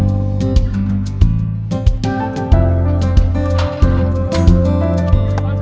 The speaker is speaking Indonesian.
uya dateng pak bos